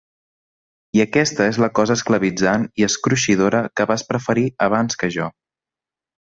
I aquesta és la cosa esclavitzant i escruixidora que vas preferir abans que jo!